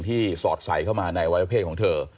ที่สอดใส่เข้ามาในวัยแพทย์ของเธอ